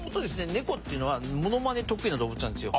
猫っていうのはモノマネ得意な動物なんですよ。